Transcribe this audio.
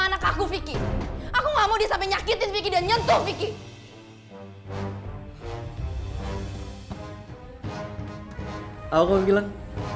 anak aku vicky aku nggak mau disamping nyakitin vicky dan nyonto vicky aku bilang